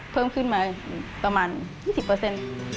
เพิ่มขึ้นมาประมาณ๒๐